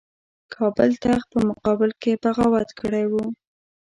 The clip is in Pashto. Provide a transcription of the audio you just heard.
کابل تخت په مقابل کې بغاوت کړی وو.